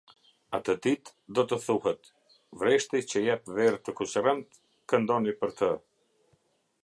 Atë ditë do të thuhet: "Vreshti që jep verë të kuqërremtë, këndoni për të.